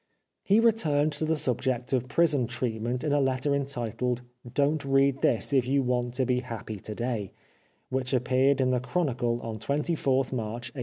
He returned to the subject of prison treatment sn a letter entitled " Don't read this if you want to be Happy to day/' which appeared in the Chronicle on 24th March 1898.